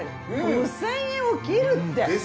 ５，０００円を切るって。